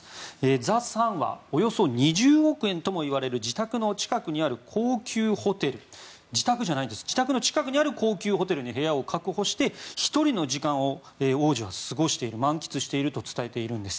ザ・サンはおよそ２０億円ともいわれる自宅の近くにある高級ホテル、自宅じゃないんです自宅の近くにある高級ホテルに部屋を確保して１人の時間を王子は過ごしている満喫していると伝えているんです。